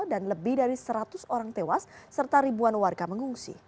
dan lebih dari seratus orang tewas serta ribuan warga mengungsi